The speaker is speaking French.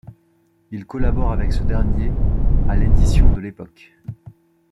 Il collabore avec ce dernier à l'édition de L'Époque.